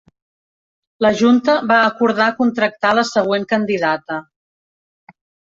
La junta va acordar contractar la següent candidata.